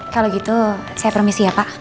kalau gitu saya permisi ya pak